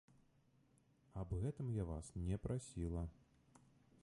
Аб гэтым я вас не прасіла.